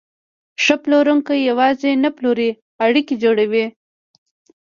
ښه پلورونکی یوازې نه پلوري، اړیکې جوړوي.